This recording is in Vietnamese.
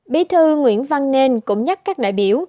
bí thư nguyễn văn nên cũng nhắc các đại biểu